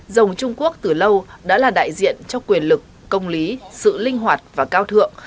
rồng trung quốc từ lâu đã là đại diện cho quyền lực công lý sự linh hoạt và cao thượng